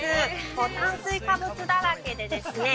もう炭水化物だらけでですね